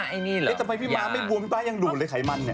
ทำไมพี่มาไม่บวมยังดูดเลยไขมันเนี่ย